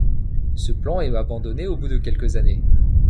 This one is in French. Ce plan est abandonné au bout de quelques années.